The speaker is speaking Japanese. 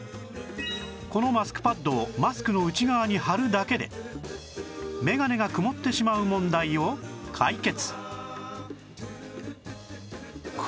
このマスクパッドをマスクの内側に貼るだけでメガネが曇ってしまう問題を解決